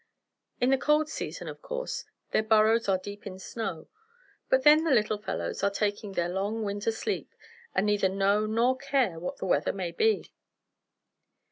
In the cold season, of course, their burrows are deep in snow; but then the little fellows are taking their long winter sleep, and neither know nor care what the weather may be.